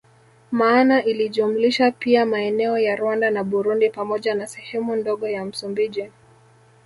Maana ilijumlisha pia maeneo ya Rwanda na Burundi pamoja na sehemu ndogo ya Msumbiji